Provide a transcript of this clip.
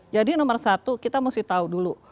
jadi nomor satu kita mesti tahu dulu